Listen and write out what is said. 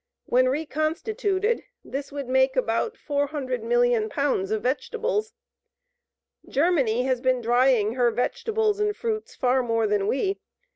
When reconstituted this would make about 400,000,000 pounds of vegetables. Germany has been drying her vegetables and fruits far more than we.